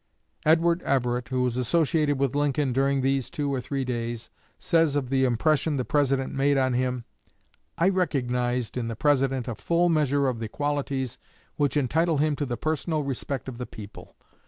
Edward Everett, who was associated with Lincoln during these two or three days, says of the impression the President made on him: "I recognized in the President a full measure of the qualities which entitle him to the personal respect of the people.